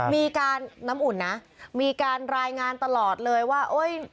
มีการน้ำอุ่นนะมีการรายงานตลอดเลยว่า